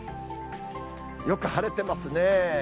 よく晴れてますね。